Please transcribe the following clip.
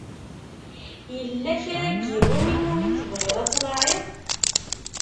Yella kra n yiwen i wumi tebɣiḍ ad tlaɛiḍ?